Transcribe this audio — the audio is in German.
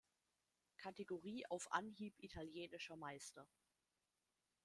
Kategorie auf Anhieb italienischer Meister.